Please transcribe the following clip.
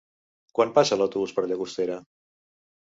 Quan passa l'autobús per Llagostera?